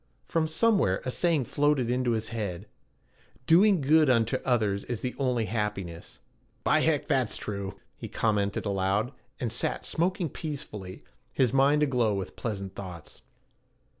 From somewhere a saying floated into his head: 'Doing good unto others is the only happiness.' 'By heck, that's true,' he commented aloud, and sat smoking peacefully, his mind aglow with pleasant thoughts.